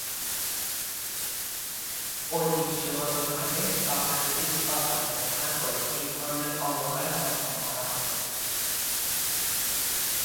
ঐতিহ্যগতভাবে প্রাকৃতিক পাতা ব্যবহার করে এ ধরনের অবকাশ যাপন করা হয়।